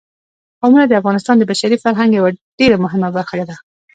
قومونه د افغانستان د بشري فرهنګ یوه ډېره مهمه برخه ده.